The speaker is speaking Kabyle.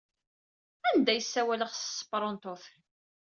Anda ay ssawaleɣ s tesperantot?